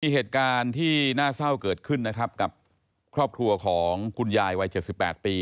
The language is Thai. เหตุการณ์ที่น่าเศร้าเกิดขึ้นนะครับกับครอบครัวของคุณยายวัย๗๘ปี